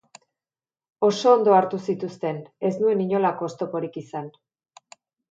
Oso ondo hartu zituzten, ez nuen inolako oztoporik izan.